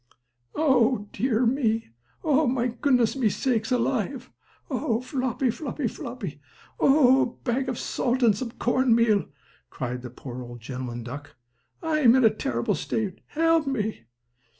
"Oh dear me! Oh my goodness me sakes alive! Oh, floppy! floppy! floppy! Oh, a bag of salt and some corn meal!" cried the poor old gentleman duck. "I am in a terrible state! Help me!"